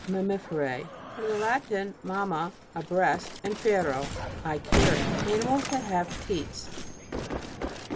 MAMMIFER^E. From the Latin, mam mo, a breast, and /ero, I carry. Animals that have teats.